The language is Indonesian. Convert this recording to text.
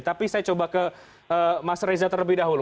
tapi saya coba ke mas reza terlebih dahulu